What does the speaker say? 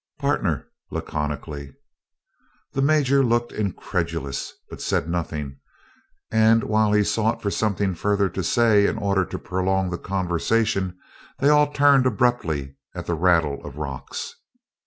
"Pardner," laconically. The Major looked incredulous but said nothing, and while he sought for something further to say in order to prolong the conversation they all turned abruptly at the rattle of rocks.